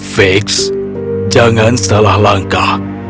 fiks jangan salah langkah